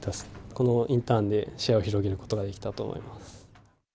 このインターンで視野を広げることができたと思います。